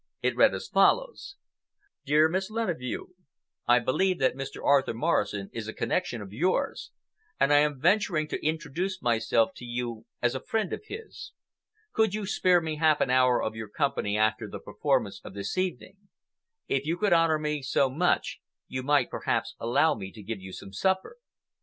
It read as follows: DEAR MISS LENEVEU, I believe that Mr. Arthur Morrison is a connection of yours, and I am venturing to introduce myself to you as a friend of his. Could you spare me half an hour of your company after the performance of this evening? If you could honor me so much, you might perhaps allow me to give you some supper.